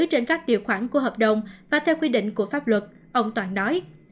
trên các điều khoản của hợp đồng và theo quy định của pháp luật ông toàn nói